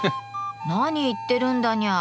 何言ってるんだニャー。